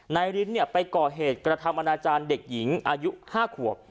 ริ้นไปก่อเหตุกระทำอนาจารย์เด็กหญิงอายุ๕ขวบ